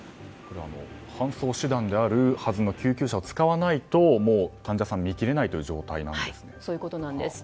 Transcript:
搬送手段であるはずの救急車を使わないと、患者さんを診きれないというそういうことなんです。